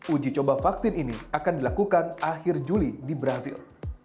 uji coba vaksin ini akan dilakukan akhir juli di brazil